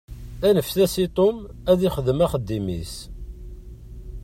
Anfet-as i Tom ad ixdem axeddim-is.